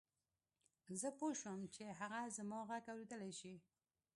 زه پوه شوم چې هغه زما غږ اورېدلای شي